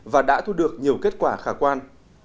và đã thu được nhiều kết quả khả quan